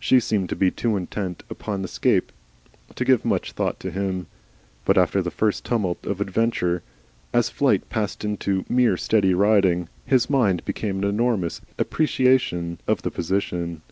She seemed to be too intent upon escape to give much thought to him, but after the first tumult of the adventure, as flight passed into mere steady ridin@@ his mind became an enormous appreciation of the position.